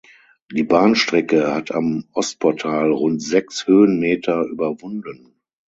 Die Bahnstrecke hat am Ostportal rund sechs Höhenmeter überwunden.